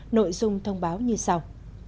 nội dung thông báo như sau